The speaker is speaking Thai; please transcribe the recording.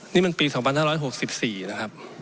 นี่มันปี๒๕๖๔นะครับ